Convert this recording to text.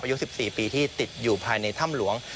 อายุ๑๔ปีที่ติดอยู่ภายในถ้ำหลวง